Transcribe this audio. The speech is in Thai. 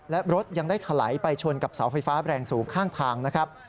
และรถยังได้ถลายไปชนกับเสาไฟฟ้าแรงสูงข้างทางนะครับ